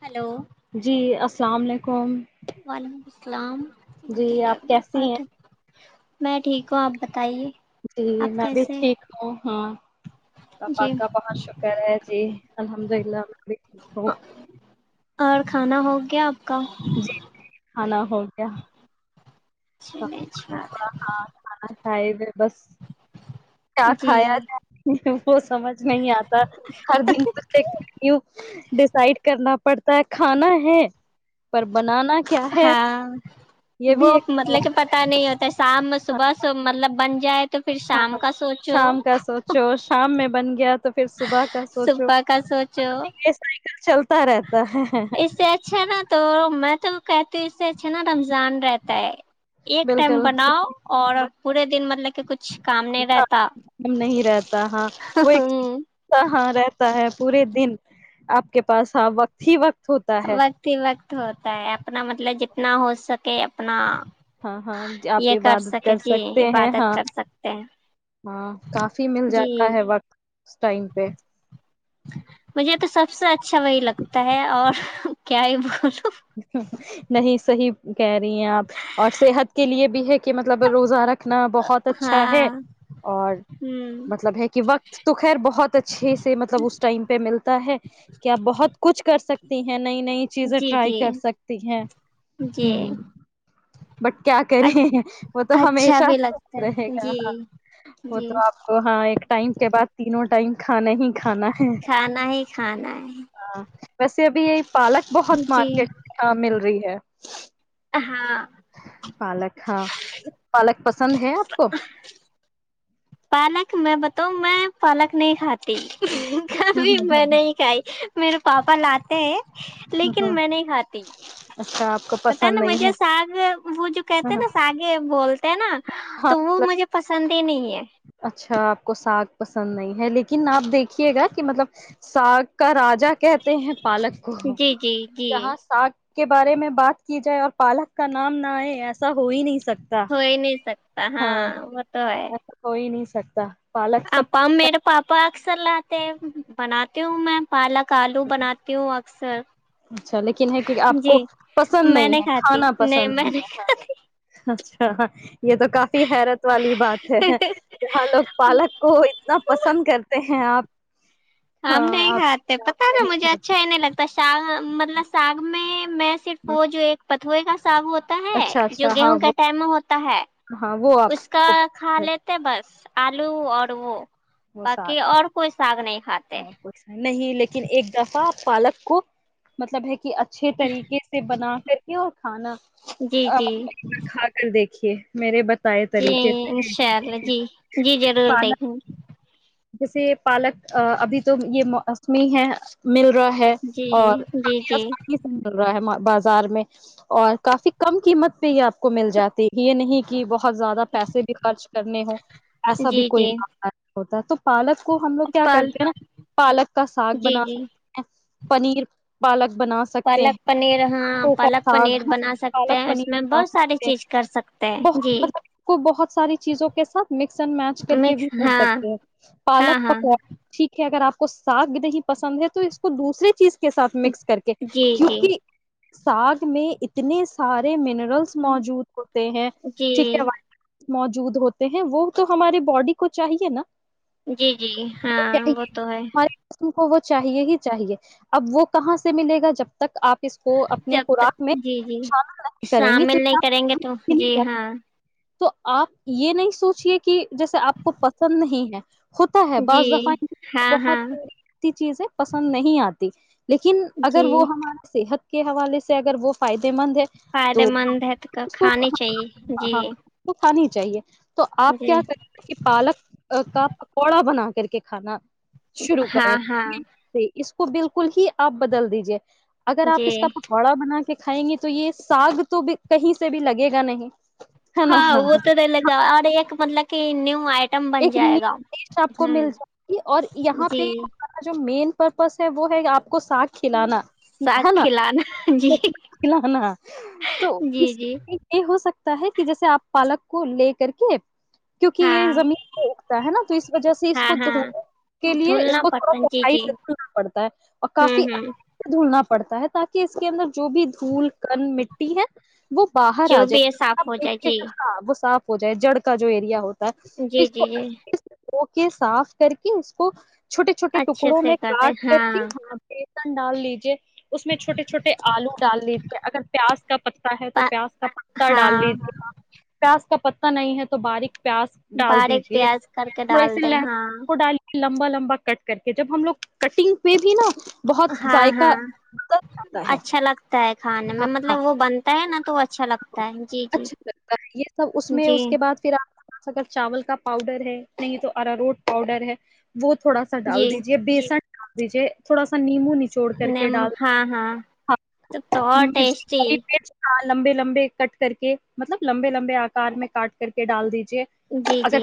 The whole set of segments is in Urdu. ج جی سامنے کم اسلام جی آپ کیسی ہیں ہ جی آپ میں بھی کیسے ٹھیک ہیں؟ ہوں ہاں جی پپاپ کا بہت شکر ہے جی الحمد للہ اور کھانا ہو گیا آپ کا ہانا ہو گیا چلچا ہائی و بس کیا جی کھایا جی جائے وہ سمجھ نہیں آتا ہر دن ڈسائڈ کرنا پڑتا کھانا ہے پر بنانا ہے کیا ہاں یہ بھی وہ ایک مطلب کہ سوال پتا نہیں ہوتا شام صبح سے مطلب بند ہاں ہاں شام کا سوچو شام میں بن گیا تو پھر صبح کا سوچو صبح کا سوچو سائیکل چل اس سے اچھا نا تو میں تو کہتے اس سے اچھا نا رمضان رہتا ہے ایک ٹائم بالکل بناؤ اور پورے دن مطلب کہ کچھ کام نہیں رہتا ہم نہیں رہتا ہاں وہ ایک ہ ہاں رہتا ہے پورے دن آپ کے پاس ہ وقت ہی وقت ہوتا ہے وقت ہی وقت ہوتا ہے اپنا مطلب جتنا ہو سکتا کہ اپنا ہاں ہاں آپ یہ عبادت سکے کر جی سکتے ہیں عبادت ہاں کر سکتے ہیں ہاں کافی مل جی جاتا ہے وقت اس ٹائم پہ مجھے تو سب سے اچھا وہی لگتا ہے اور کیا ہی بول صحی کہہ رہ آپ اور صحت کے لیے بھی ہے کہ مطلب روزہ رکھنا بہت اچھا ہے ہاں اور ہوں مطلب ہے کہ وقت تو خیر بہت اچھے سے ملب اس ٹائم پہ ملتا ہے کہ آپ بہت کچھ کر سکتے تی ہیں نئی نئی چیزیں جی ٹرائی جی کر سکتی ہیں ہ جی بٹ کیا کریں وہ تو اچھا ہمیشہ بھی لگتا رہے ہے گا جی ہاں وہ جی تو آپ کو ہاں ایک ٹائم کے بعد تینوں ٹائم کھانا ہی کھانا ہے کھانا ہی کھانا ہے بس اب یہی [inaudible] پالک بہت جی مارکیٹ مل رہی ہے ہاں پالک ہاں پالک پسند ہے آپ کو پالک میں بتاؤں میں پالک نہیں کھاتی کبھی میں نہیں کھائی میرے پاپا لاتے ہیں لیکن میں نہیں کھاتی اچھا آپ کو پتا پسند نا نہیں ہے مجھے ساگ وہ جو کہتے ہیں ہاں نا ساگ وہ بولتے ہیں نا ہاں تو وہ مجھے پسند تین اچھا آپ کو ساگ پسند نہیں ہے لیکن آپ دیکھیے گا کہ مطلب ساگ کا راجا کہتے ہیں پالک کو جی جی جی جہاں ساگ کے بارے میں بات کی جائے اور پالک کا نام نہ آئے ایسا ہو ہی نہیں سکتا ہوئی نہیں سکتا ہاں وہ تو ہے کوئی نہیں سکتا پالک سب آپا میرے پاپا س لاتے بناتی ہوں میں پالک آلو بناتی ہوں اکثر اچھا لیکن ہے کہ آپ جی کو پسند میں نہیں ہے کھاتی کھانا نہیں میں نہیں کھاتی ہاں [inaudible] یہ تو کافی حیرت والی بات ہے یہ ہاں لوگ پالک کو اتنا پسند کرتے ہیں آپ ہم ہاں نہیں کھاتے آپ پ آپ سارا نہیں مجھے اچھا ہی کھاتے نہیں لگتا ساگ مطلب ساگ میں میں صرف وہ جو ایک پت تھئی گ صااب ہوتا ہے اچھا جو اچھا ہاں گیہوں کا وہ ٹائم ہوتا ہے ہاں وہ آپ اس کا کو کھا پسند ہے لیتے بس آلو آڑو وہ ساگ باقی اور کوئی ساگ نہیں کھاتے اور کچھ نہیں لیکن ایک دفہ پالک کو مطلب ہے کہ ا اچھے طریقے سے بنا کر کے اور کھانا جی آ جی کھا کر دیکھ رھیے میرے بچے جی انشاء اللہ جی جی ضرور پالک دیکھیں گے جیسے پالک ابھی تو یہ موسمی ہے مل رہا ہے جی اور جی کافی جی آسانی سے مل رہا ہے مار بازار میں اور کافی کم قیمت پہ یہ آپ کو مل جاتی ہے یہ نہیں کہ بہت بہت زیادہ پیسے بھی خرچ کرنے ہ ایسا بھی جی کوئی جی مام ہوتا تو پالک کو ہم لوگ کیا پل کرتے ہیں نا پالک کا ساگ جی بنا جی سکتے ہیں پنیر پالک بنا سکتے پالک پنیر ہاں ہیں پالک ساگ پنیر بنا سکتے پالک ہیں اس پنیر میں بنا بہت ساری سکتے چیز کر سکتے ہیں ہیں جی بہت کو بہت ساری چیزوں کے ساتھ مکس اینڈ میچ کر کے بھی مکس کر ہاں سکتے ہیں ہاں پالک ہاں پکوانا ٹھیک ہے اگر آپ کو ساگ نہیں پسند ہے تو اس کو دوسرری چیز کا کے ساتھ مکس کر کے جی جی کیونک ساگ میں اتنے سارے منٹ موجود ہوتے ہیں ٹھیک ہے جی ب موجود ہوتے ہیں وہ تو ہمارے باڈی کو چاہیے نا جی جی ہاں وہ چاہیے تو ہے ہمارے جسم وہ چاہیے ہی چاہے اب وہ کہاں سے ملے گا جب تک آپ کس کو اپنے جب تک خوراک میں جی جی شامل نہیں کریں گی تو شامل نہیں کریں گے تو جی کیا ہاں تو آپ یہ نہیں سوچے کہ جیسے آپ کو پسند نہیں ہے ہوتا ہے جی بعض دفع ہاں ہاں بہتتی چیزیں پسند نہیں آتی [inaudible] لیکن اگر جی وہ ہمارے صحت کے حوالے سے اگر وہ فائدہ مند ہے تو فائدے مند ہے تو کھانی چاہیے جی ہاں چاہیے تو آپ جی کیا کریں گے کہ پالک کا پوڑا بنا کر کے کھانا شرو ہاں کریں ہاں اس کو بالکل ہی آپ بدل دیجیے اگر آپ جی اس کا پکوڑا بنا کے کھائیں گے تو یہ ساگ تو بھی کہیں سے بھی لگے گا نہیں ہے ہاں نا وہ تو تو لگا آ ایک م ل کہ نیو آئی ایک ن دیش آپ کو مل جائے گی اور یہاں پہ جی ہمارا جو مین پرپس ہے وہ ہے آپ کو سگ کھلانا ہے ساگ نا کھلانا جی کھلانا تو جی اس جی یہ ہو سکتا ہے کہ جیسے آپ پالک کو لے کر کے کیونکہ ہاں یہ زمین اکتا ہے نا تو اس وجہ سے اس ہاں کو ہاں دھنے کے لیے اس دھلنا کو تھوڑا پڑتا جی صفائی جی سے دھلنا پڑتا ہے اور کافی ہوں آام ہوں سے دھلنا پڑتا ہے تاکہ اس کے اندر جو بھی دھول کن مٹی ہے وہ باہر آ جو بھی جائے ہے آ صاف ہو جائے دیک جی کہاں وہ صا ہو جائے جڑ کا جو ایریا ہوتا اس جی جی ا کے صاف کر کے اس کو چھوٹے چھوٹے اچھے ٹکڑوں میں سے کرتے کاٹ کر کے ہاں یہاں پہ لسن ڈال لیجیے اس میں چھوٹے چھوٹے آلو ڈال لیجے اگر پیاز کا پتا ہے تو پیاز کا پتا ڈال ہاں لیجے پیاس کا پتا نہیں ہے تو باریک پیاز ڈال دیجے باریک پیاز کر کے ڈال د ہاں ڈال کے لمبا لمبا کٹ کر کے جب ہم لوگ کٹنگ پ بھی نا بہت ہاں ذائقہ ہاں درتا ہے اچھا لگتا ہے کھانے ہ میں مطلب وہ بنتا ہے نا تو اچھا لگتا ہے جی جی اچھا لگتا ہے یہ سب اس میں جی اس کے بعد پھر آپ اگر چاول کا پاؤڈر ہے نہیں تو ار روٹ پاؤڈر ہے وہ تھوڑا سا جی ڈال دیجیے بیسن کر دیجیے تھوڑا نیمبو نچوڑ کر کے نم ڈال ہاں ہاں تو تو اور ٹیسٹی مرچ لمبے لمبے کٹ کر کے مطلب لمبے لمبے آکار میں کاٹ کر کے ڈال دی جی جی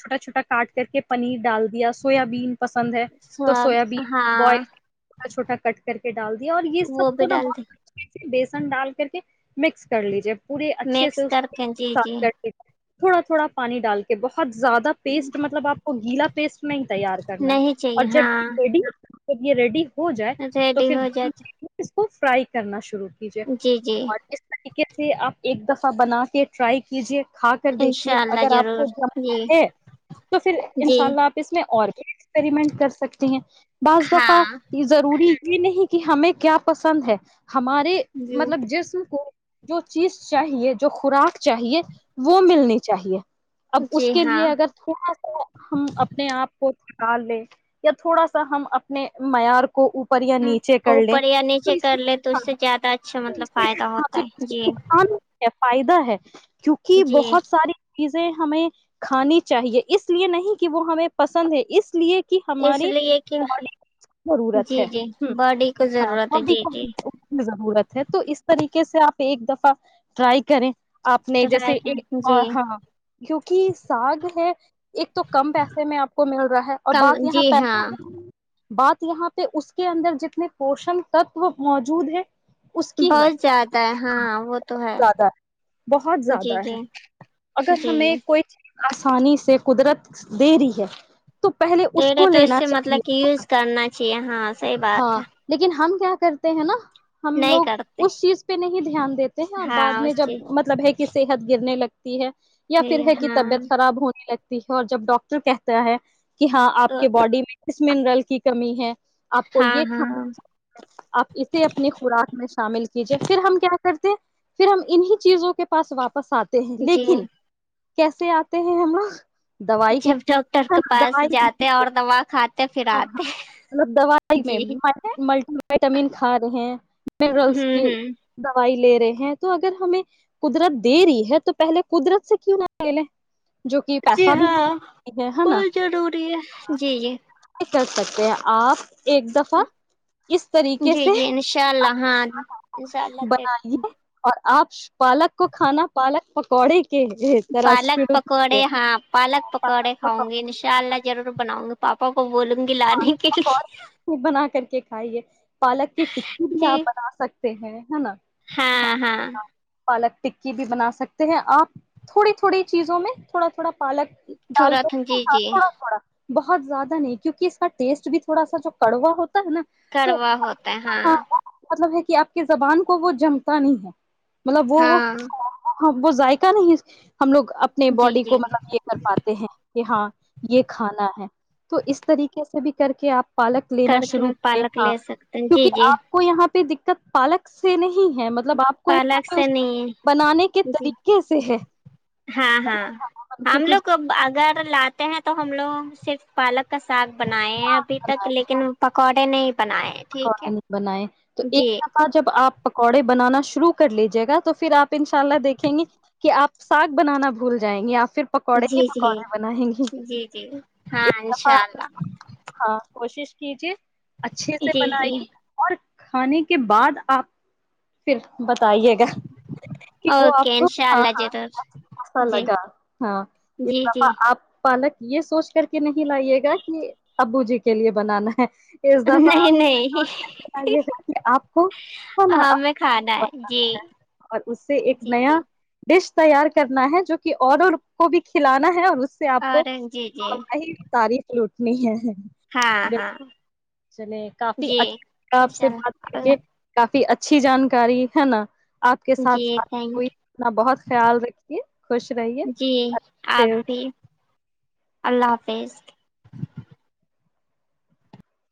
چھوٹا چھوٹا کاٹ کر کے پنیر ڈال دیا سویابین پسند ہے تو سب سویابین ہاں بوائل چھوٹا چھوٹا کٹ کر کے ڈال دیا اور یہ وہ سب بھی کو نا ڈال د بہت اچ بیسن ڈال کر کے مکس کر لیجیے پورے اچھے سے مکس کر کے جی جی اساف کرتے تھوڑا تھوڑا پانی ڈالتے ا بہت زیادہ پیسٹ مطلب آپ کو گیلا پیسٹ میں تیار کرنا نہیں ہے اور چاہیے جب یہ ہاں ریڈی کر یہ ریڈی ہو جائے تو ریڈی پھر ہو جاتی کو فرائی کرنا شروع کر کیجیے جی جی اور جس طریقے سے آپ ایک دس بنا کے ٹرائی کیجے کھا کر دیکھیے انشاء اللہ اگر آپ ضرور ج جی ہے تو پھر جی انشاء اللہ آپ اس میں اور ایکسپریمنٹ کر سکتی ہیں بس ہاں دفع یہ ضروری نہیں کہ ہمیں کیا پسند ہے ہمارے جی مطلب جسم کو جو چیز چاہیے جو خوراک چاہیے وہ ملنی چاہیے اب اس جی کے ہاں لیے اگر تھوڑا سا ہم اپنے آپ کو لے یا تھوڑا سا ہم اپنے معیار کو کو اوپر یا نیچے کر لیں اوپر یا نیچے کر لے تو اس سے زیادہ اچھا مطلب فائدہ ہوتا ہے جی تواں فائدہ ہے کیونکہ جی بہت سار ہمیں کھانی چاہیے اس لیے نہیں کہ وہ ہمیں پسند ہے اس لیے کہ اس ہمارے لیے کہ باڈی کو ضرورت جی ہے جی ہ باڈی کو ہاں ضرورت ہے باڈی جی کو جی ضرورت ہے تو اس طریقے سے آپ ایک دفہ ٹرائی کریں آپ نے جیسے ٹرائی کر جی ہاں کیوںکہ ساگ ہے ایک تو کم پیسے میں آپ کو مل رہا ہے اور کم بات یہاں جی ہاں پس بات یہاں پہ اس کے اندر جتنے پوشن تتو موجود ہے اس کی ہے بہت زیادہ ہے ہاں وہ تو ہے بہت جی زیادہ ہے جی اگر جی ہمیں کوئی چیز آسانی سے قدرت دے رہی ہے تو پہلے ے کو تو اس لینا سے مطلب چاہیے کہ یوز کرنا چاہیے ہاں صحیح بات ہاں ہے لیکن ہم کیا کرتے ہیں نا ہم نہیں لوگ کرتے اس چیز پہ نہیں دھیان دیتے ہیں اور ہاں بعد میں اس جب چیز مطلب ہے کی صحت گرنے لگتی ہے یا پھر ہے کہ ہاں طبیعت خراب ہونے لگتی اور جب ڈاکاکٹر کہتا ہے کہ ہاں آپ تو کے باڈی میں اس منرل کی کمی ہے آپ کو ہاں یہ ہاں کھانا آپ اسے اپنی خوراک میں شامل کیجیے پھر ہم کیا کرتے پھر ہم انیں چیزوں کے پاس واپس پساتے ہیں جی لیکن کیسے آتے ہیں ہم لوگ دوائی کے جب ڈاکٹر کے دو پاس جاتے اور دوا کھاتے پھر ہاں آتے ہاں مطل دوائی میں جی ملٹی تمین کھا رہے ہیں ملس ہوں کی ہوں دوائی لے ہیں تو اگر ہمیں قدرت دے رہی ہے تو پہلے قدرت اس کیوں آ گ جی ہاں نا بت ضروری ہے جی جی کر سکتے ہیں آپ ایک دفعہ کس طریقے جی سے جی انشاء اللہ ہاں انشاء اللہ بنائیے اور آپ پالک کو کھانا پالک پکوڑی پالک پکوڑے ہاں پالک پکوڑے کھاؤں گی انشاء اللہ ضرور بناؤں گی پپا کو بول پ اور بنا کر کے کھائیے پالک کی ٹکی بھی جی آپ بنا سکتے ہیں ہے نا ہاں ہاں پالک ٹکی بھی بنا سکتے ہیں آپ تھوڑی تھوڑی چیزوں میں تھوڑا تھوڑا [unintelligible] پالک ڈال تھوڑا کر جی جی تھوڑا تھوڑا [unintelligible] بہت زیادہ نہیں کیونکہ اس [unintelligible] ٹیسٹ بھی تھوڑا سا جو کڑو ہوتا [unintelligible] ہے نا تو کروا ہوتا ہے ہاں مطلب [unintelligible] کہ آپ کی زبان کو وہ جمتا نہیں ہے [unintelligible] مطلب وہ وہ ہاں [unintelligible] ہاں وہ جائے کا نہیں [unintelligible] ہم لوگ اپنے جی باڈی جی کو مطلب یہ کر پاتے ہیں کہ ہاں یہ کھانا ہے تو اس طریقے [unintelligible] سے بھی کر کے آ [unintelligible] پالک لینا کر شروع کے کرے پالک ہاں لے سکتے ہیں جی کیونکہ جی آپ کو یہاں پہ [unintelligible] پالک سے نہیں [unintelligible] مطلب آپ کو یہاں پالک پہ سے نہیں بنانے کے جی طریقے سے ہے ہاں ہاں ہم کیک لوگ [unintelligible] اگر لاتے ہیں تو ہم لوگ صرف پالک کا ساگ بنائے ہیں ابھی تک لیکن پکوڑے نہیں بنائے ٹھیک ہے پکوڑے نہیں بنائے تو جی ایک دفعہ جب [unintelligible] آپ پکوڑے بنانا شروع کر لیجیے گا تو پھر آپ ان شاء اللہ دیکھیں گے کہ آپ ساگ بنانا بھول جائیں گے آپ پھر پکوڑے ہی جی جی پکوڑے بنائیں گے جی جی ہاں ایک دفعہ انشاء اللہ [unintelligible] ہاں کوشش کیجے [unintelligible] اچھے سے جی بنائی جی گے اور [unintelligible] کھانے کے بعد آپ پھر بتائیے گا کہ وہ اوکے آپ کو انشاء ہاں اللہ ضرور ہاںا جی لگا ہاں اس جی جی دفعہ آپ [unintelligible] پالک یہ سوچ کر کے نہیں لائیے گا کہ [unintelligible] ابو جی کے لیے بنانا ہے [unintelligible] دفعہ نہیں مو نہیں کر تھا کہ آپ کو ہمیں کھانا ہے جی اور اس سے ایک جی نیا جی [unintelligible] ڈش تیار کرنا ہے جو کہ اور کو بھی کھلانا ہے اور اس [unintelligible] سے آپ اور جی جی کوی تعریف لوٹ [unintelligible] نہیں ہے [unintelligible] ہاں ہاں [unintelligible] چلے کافی جی اچھا ل آپ انشاء سے بات کر اللہ کے [unintelligible] اللہ کافی اچھی جانکاری ہے نا [unintelligible] آپ کے ساتھ جی ساتھئی تھینک اپنا بہت خیال رکھیے خوش رہیے یو جی اللہ حافظ [unintelligible] فیس [unintelligible]